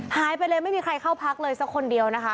หายไปเลยไม่มีใครเข้าพักเลยสักคนเดียวนะคะ